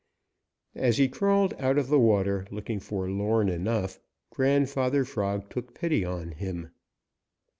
As he crawled out of the water, looking forlorn enough, Grandfather Frog took pity on him.